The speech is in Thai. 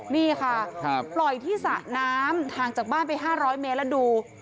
นี่ค่ะครับปล่อยที่สระน้ำทางจากบ้านไปห้าร้อยเมตรแล้วดู